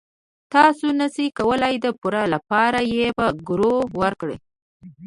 تاسو نشئ کولای د پور لپاره یې په ګرو ورکړئ.